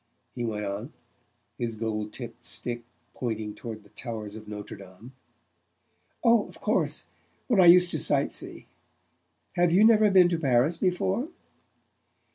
he went on, his gold topped stick pointing toward the towers of Notre Dame. "Oh, of course; when I used to sightsee. Have you never been to Paris before?"